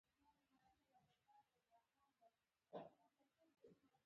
د انګورو بوی مستي راوړي.